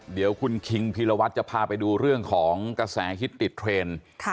เดี๋ยวคุณคิงพีรวัตรจะพาไปดูเรื่องของกระแสฮิตติดเทรนด์